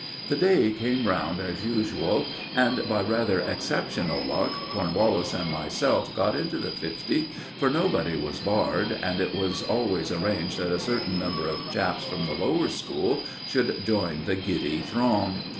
The day came round as usual, and, by rather exceptional luck, Cornwallis and myself got into the fifty, for nobody was barred, and it was always arranged that a certain number of chaps from the lower school should join the giddy throng.